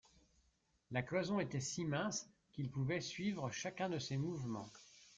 La cloison était si mince, qu’il pouvait suivre chacun de ses mouvements.